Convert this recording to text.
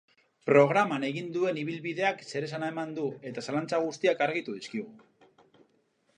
Programan egin duen ibilbideak zeresana eman du eta zalantza guztiak argitu dizkigu.